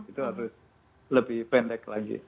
itu harus lebih pendek